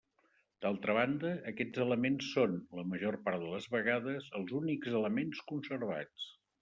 D'altra banda, aquests elements són, la major part de les vegades, els únics elements conservats.